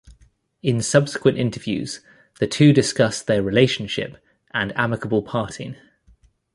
In subsequent interviews, the two discussed their relationship and amicable parting.